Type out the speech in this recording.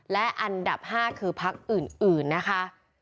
และอันดับ๕คือพักอื่นนะคะ